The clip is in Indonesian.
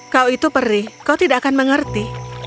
kau itu perih kau tidak akan mengerti